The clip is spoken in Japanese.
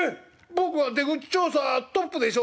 僕が出口調査トップでしょ？」。